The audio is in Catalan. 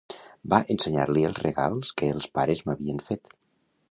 Vaig ensenyar-li els regals que els pares m'havien fet.